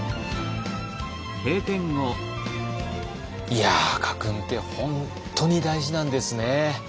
いや家訓って本当に大事なんですね。